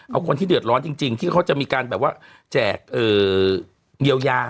เอาคนที่เดือดร้อนจริงที่เขาจะมีการแบบว่าแจกเยียวยา